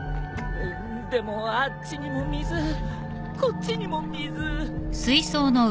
でもあっちにも水こっちにも水。